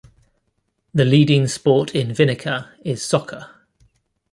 The leading sport in Vinica is soccer.